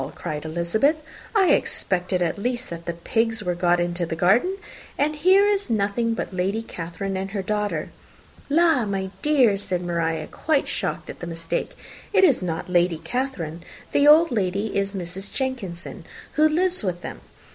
cried Elizabeth. "I expected at least that the pigs were got into the garden, and here is nothing but Lady Catherine and her daughter!" "La! my dear," said Maria, quite shocked at the mistake, "it is not Lady Catherine. The old lady is Mrs. Jenkinson, who lives with them.